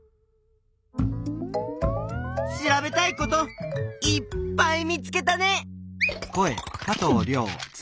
調べたいこといっぱい見つけたね。